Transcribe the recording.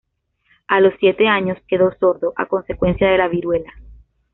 A los siete años quedó sordo, a consecuencia de la viruela.